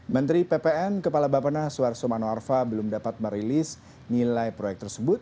menteri ppn kepala bapak naswar sumano arfa belum dapat merilis nilai proyek tersebut